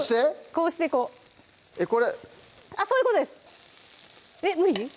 こうしてこうえっこれあっそういうことですえっ無理？